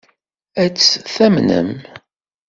Ad tt-tamnem?